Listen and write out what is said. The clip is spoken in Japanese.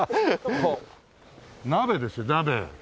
あっ鍋ですよ鍋。